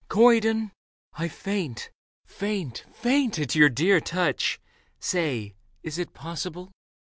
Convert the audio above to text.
" Corydon ! I faint, faint, faint at your dear touch. Say, is it possible